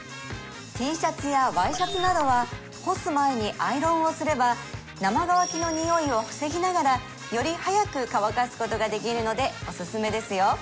ＴシャツやＹシャツなどは干す前にアイロンをすれば生乾きのにおいを防ぎながらより早く乾かすことができるのでおすすめですよ